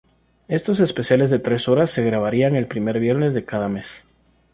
Estos especiales de tres horas se grabarían el primer viernes de cada mes.